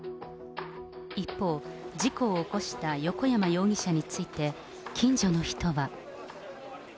一方、事故を起こした横山容疑者について、近所の人は。